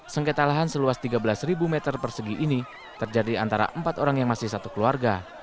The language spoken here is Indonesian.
sengketa lahan seluas tiga belas meter persegi ini terjadi antara empat orang yang masih satu keluarga